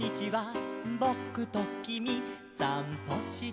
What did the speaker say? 「ぼくときみさんぽして」